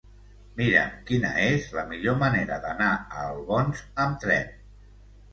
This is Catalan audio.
Mira'm quina és la millor manera d'anar a Albons amb tren.